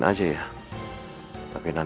seharga dua ratusan kan